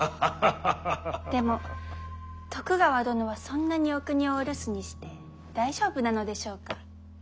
でも徳川殿はそんなにお国をお留守にして大丈夫なのでしょうか？